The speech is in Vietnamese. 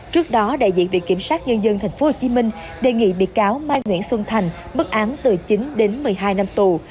trước đó đại diện viện kiểm sát nhân dân tp hcm đề nghị bị cáo mai nguyễn xuân thành bức án từ chín đến một mươi hai năm tù